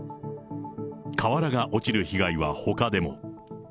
瓦が落ちる被害はほかでも。